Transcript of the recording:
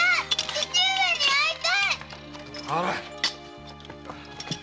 父上に会いたい‼